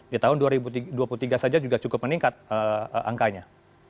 di tahun dua ribu dua puluh tiga saja juga cukup meningkat angkanya